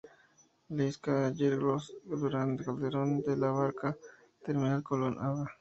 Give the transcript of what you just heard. Lezica, Yegros, Durán, Calderón de la Barca, Terminal Colón, Av.